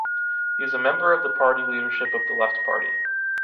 He is a member of the party leadership of the Left party.